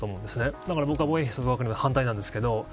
だから僕は防衛費増額には反対なんですけど。